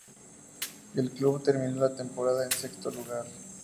El club terminó la temporada en sexto lugar.